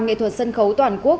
nghệ thuật sân khấu toàn quốc